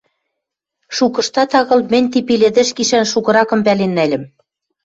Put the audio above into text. Шукыштат агыл мӹнь ти пеледӹш гишӓн шукыракым пӓлен нӓльӹм.